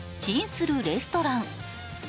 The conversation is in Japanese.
するレストラン。